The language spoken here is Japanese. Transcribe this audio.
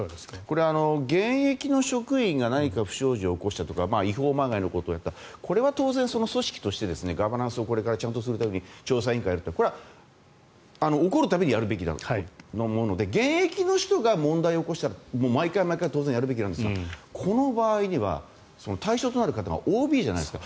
これ、現役の職員が何か不祥事を起こしたとか違法まがいのことをやったこれは当然組織として、ガバナンスをこれからちゃんとするために調査委員会をやるって、これは起こる度にやるべきもので現役の人が問題を起こしたら毎回毎回やるべきですがこの場合には対象となる方がＯＢじゃないですか。